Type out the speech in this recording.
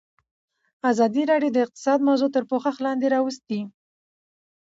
ازادي راډیو د اقتصاد موضوع تر پوښښ لاندې راوستې.